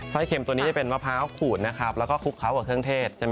เข็มตัวนี้จะเป็นมะพร้าวขูดนะครับแล้วก็คลุกเคล้ากับเครื่องเทศ